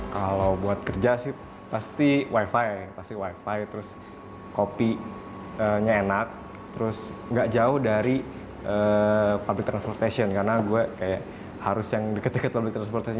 kalau buat kerja sih pasti wifi pasti wifi terus kopinya enak terus gak jauh dari public transportation karena gue kayak harus yang deket deket public transportasi